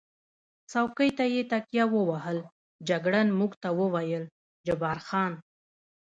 څوکۍ ته یې تکیه ووهل، جګړن موږ ته وویل: جبار خان.